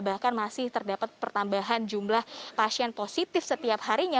bahkan masih terdapat pertambahan jumlah pasien positif setiap harinya